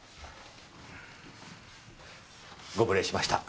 ご無礼しました。